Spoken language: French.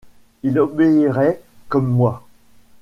Ils obéiraient comme moi.